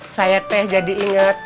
saya teh jadi ingat